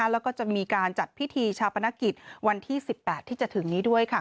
แล้วก็จะมีการจัดพิธีชาปนกิจวันที่๑๘ที่จะถึงนี้ด้วย